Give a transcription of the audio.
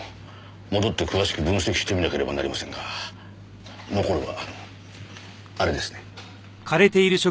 戻って詳しく分析してみなければなりませんが残るはあれですね。